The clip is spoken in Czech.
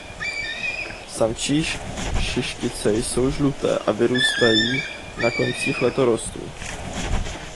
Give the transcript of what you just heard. Samčí šištice jsou žlutavé a vyrůstají na koncích letorostů.